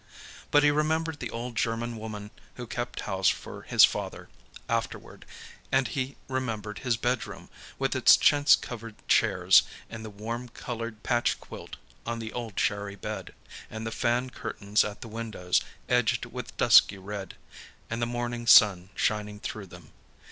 But he remembered the old German woman who had kept house for his father, afterward, and he remembered his bedroom, with its chintz covered chairs, and the warm colored patch quilt on the old cherry bed, and the tan curtains at the windows, edged with dusky red, and the morning sun shining through them.